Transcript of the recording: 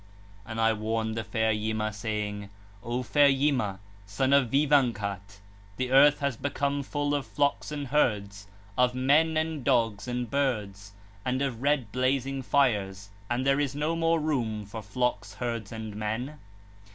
13. And I warned the fair Yima, saying: 'O fair Yima, son of Vîvanghat, the earth has become full of flocks and herds, of men and dogs and birds and of red blazing fires, and there is no more room for flocks, herds, and men.'